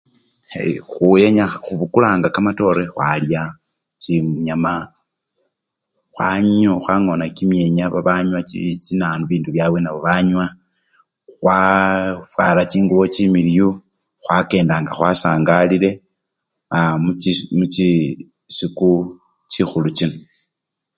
Ee! khwenya, khubukulanga kamatore khwalya chinyama khwanyo! khwangona kimyenya babanywa china! bibindu byabwe nabo banywa, khwa! fwara chingubo chimiliyu, khwakenda nga khwasangalile aa! muchi! mu! chisiku chikhulu chino.